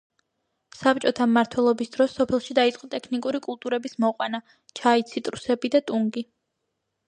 საბჭოთა მმართველობის დროს სოფელში დაიწყო ტექნიკური კულტურების მოყვანა: ჩაი, ციტრუსები, ტუნგი.